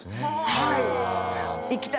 はい。